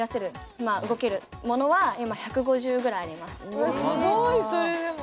うわすごいそれでも。